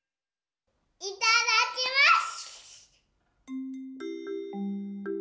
いただきます！